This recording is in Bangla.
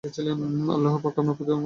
আল্লাহ আপনার প্রতি অনুগ্রহ করবেন।